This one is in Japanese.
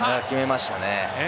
決めましたね。